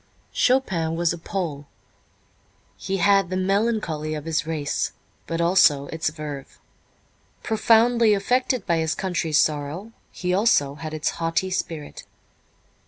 Chopin was a Pole. He had the melancholy of his race, but also its verve. Profoundly affected by his country's sorrow, he also had its haughty spirit.